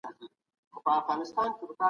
ښه څېړنه د ټولني لپاره رڼا ده.